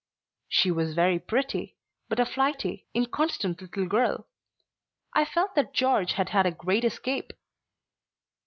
"She was very pretty; but a flighty, inconstant little girl. I felt that George had had a great escape."